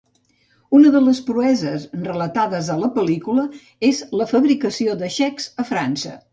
Una de les proeses relatades a la pel·lícula és la fabricació de xecs a França.